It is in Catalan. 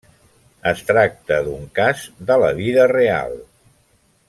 Es tracta d'un cas de la vida real.